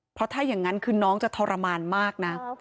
เพราะถ้าอย่างนั้นคือน้องจะทรมานมากนะ